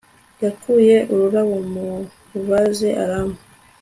yakuye ururabo muri vase arampa